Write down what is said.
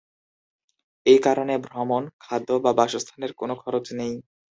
এই কারণে ভ্রমণ, খাদ্য বা বাসস্থানের কোন খরচ নেই।